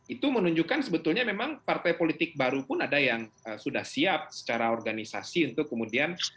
itu menunjukkan sebetulnya memang partai politik baru pun ada yang sudah siap secara organisasi untuk kemudian